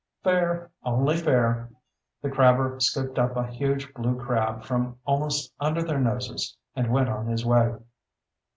"Fair. Only fair." The crabber scooped up a huge blue crab from almost under their noses and went on his way.